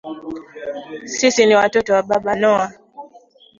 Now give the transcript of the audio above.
Sisi ni watoto wa Baba Noah